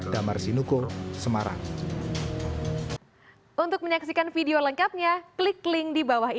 damar sinuko semarang